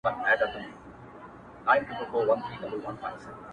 گـــډ وډ يـهـــوديـــان ـ